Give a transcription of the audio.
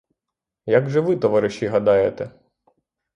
Як же ви, товариші, гадаєте?